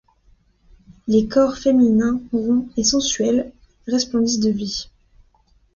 Les corps féminins ronds et sensuels resplendissent de vie.